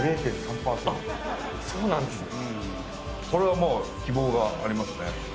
これはもう希望がありますね。